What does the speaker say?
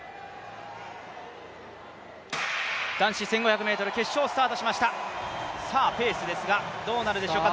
男子１５００ｍスタートしましたペースですがどうなるでしょうか。